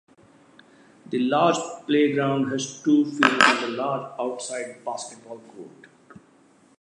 The large playground has two fields and a large outside basketball court.